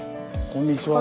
こんにちは。